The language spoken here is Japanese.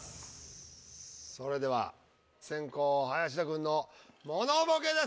それでは先攻林田君のモノボケです。